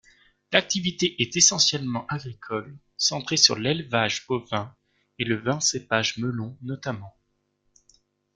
L'activité est essentiellement agricole, centrée sur l'élevage bovin et le vin cépage melon notamment.